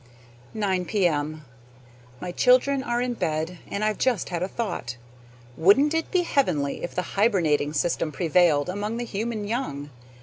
9 P.M. My children are in bed, and I've just had a thought. Wouldn't it be heavenly if the hibernating system prevailed among the human young?